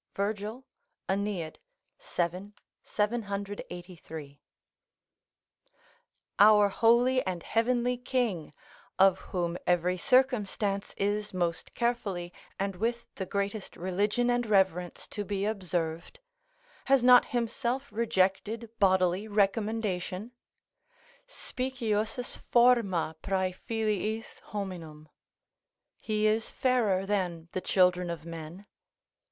Virgil, AEneid, vii. 783.] Our holy and heavenly king, of whom every circumstance is most carefully and with the greatest religion and reverence to be observed, has not himself rejected bodily recommendation, "Speciosus forma prae filiis hominum." ["He is fairer than the children of men."